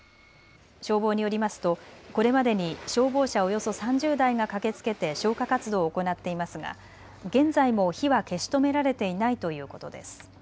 消防によりますとこれまでに消防車およそ３０台が駆けつけて消火活動を行っていますが現在も火は消し止められていないということです。